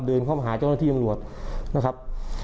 เดินเข้ามาหาเจ้าหน้าที่ตำรวจนะครับ